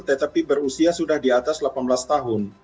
tetapi berusia sudah di atas delapan belas tahun